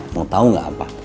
mau tau gak ampa